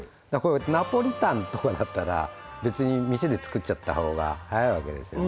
ナポリタンとかだったら別に店で作っちゃった方が速いわけですよ